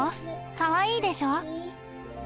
かわいいでしょ。